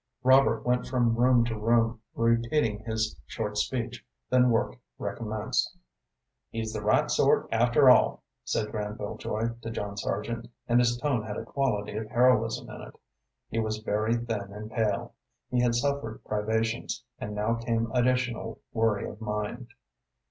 Robert went from room to room, repeating his short speech, then work recommenced. "He's the right sort, after all," said Granville Joy to John Sargent, and his tone had a quality of heroism in it. He was very thin and pale. He had suffered privations, and now came additional worry of mind.